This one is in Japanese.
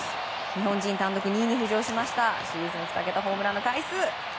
日本人単独２位に浮上しましたシーズン２桁ホームランの回数。